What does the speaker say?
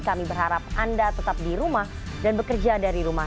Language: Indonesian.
kami berharap anda tetap di rumah dan bekerja dari rumah